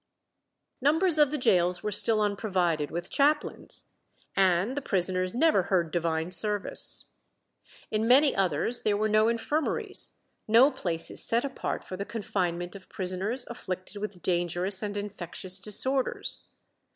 Numbers of the gaols were still unprovided with chaplains, and the prisoners never heard Divine service. In many others there were no infirmaries, no places set apart for the confinement of prisoners afflicted with dangerous and infectious disorders.